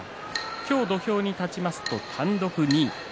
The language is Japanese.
今日、土俵に立ちますと単独２位です。